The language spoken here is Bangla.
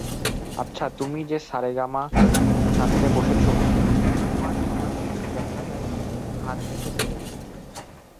আচ্ছা, তুমি যে সারেগামা সাধতে বসেছ, কুমারসভার সেই লেখাটায় হাত দিতে পেরেছ?